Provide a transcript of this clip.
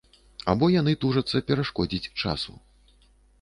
Або яны тужацца перашкодзіць часу.